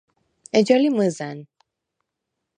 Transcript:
ეჯა ლი მჷზა̈ნ.